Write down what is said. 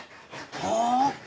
はあ？